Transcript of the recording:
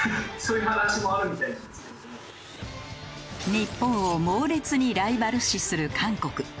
日本を猛烈にライバル視する韓国。